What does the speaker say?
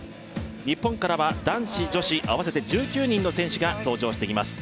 日本からは男子女子合わせて１９人の選手が登場してきます